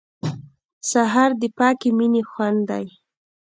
سهار د پاکې مینې خوند دی.